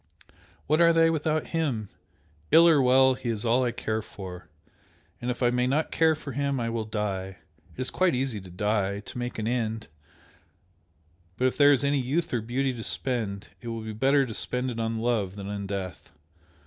what are they without him? Ill or well, he is all I care for, and if I may not care for him I will die! It is quite easy to die to make an end! but if there is any youth or beauty to spend, it will be better to spend it on love than in death!